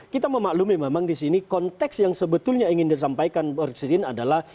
kita memaklumi memang di sini konteks yang sebetulnya ingin disampaikan presiden adalah